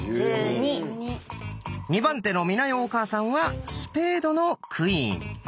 ２番手の美奈代お母さんはスペードのクイーン。